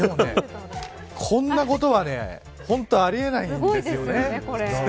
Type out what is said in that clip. こんなことは本当にあり得ないんですよね。